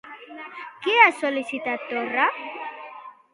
Què ha sol·licitat Torra?